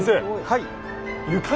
はい。